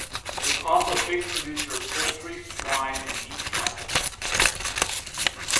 It is also a big producer of poultry, swine, and beef cattle.